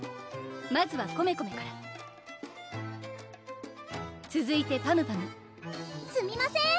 まずはコメコメからつづいてパムパムすみません